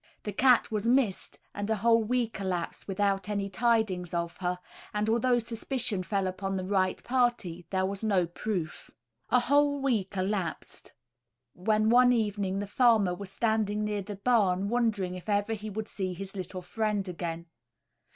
The cat was missed, and a whole week elapsed without any tidings of her; and although suspicion fell upon the right party, there was no proof. A whole week elapsed, when one evening the farmer was standing near the barn wondering if ever he would see his little friend again.